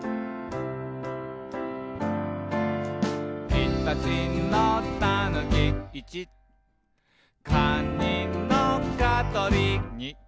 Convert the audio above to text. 「いたちのたぬき」「かにのかとり」